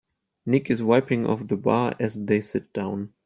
Nick is wiping off the bar as they sit down.